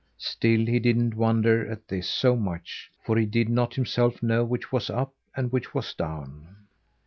Still he didn't wonder at this so much, for he did not himself know which was up, and which was down.